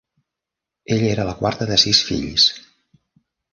Ella era la quarta de sis fills.